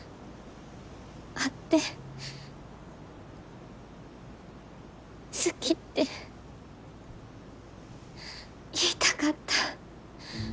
会って好きって言いたかった。